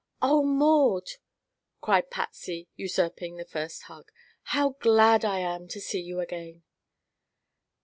"Oh, Maud!" cried Patsy, usurping the first hug, "how glad I am to see you again!"